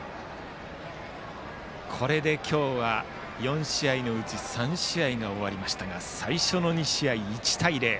これで今日は４試合のうち３試合が終わりましたが最初の２試合、１対０。